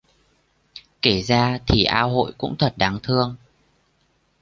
Kể ra thì A Hội cũng thật đáng thương